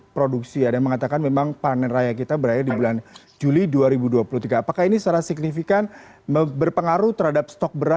produksi dalam negeri itu menjadi prioritas utama kita